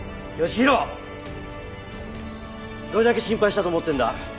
どれだけ心配したと思ってるんだ！？